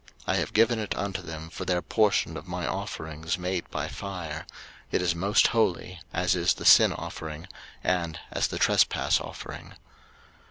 I have given it unto them for their portion of my offerings made by fire; it is most holy, as is the sin offering, and as the trespass offering.